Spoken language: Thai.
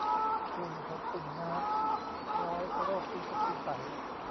กลุ่มของตุ่มน้ำคล้ายโรคอีสุกอีใส